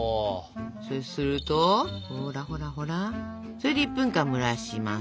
そうするとほらほらほら。それで１分蒸らします。